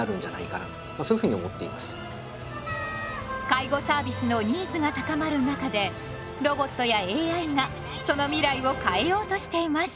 介護サービスのニーズが高まる中でロボットやＡＩがその未来を変えようとしています。